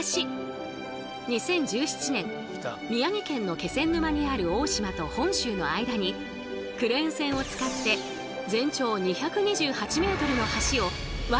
２０１７年宮城県の気仙沼にある大島と本州の間にクレーン船を使って全長２２８ｍの橋をわずか１日で架けたんだとか！